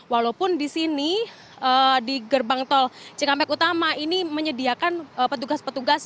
walaupun di sini di gerbang tol cikampek utama ini menyediakan petugas petugas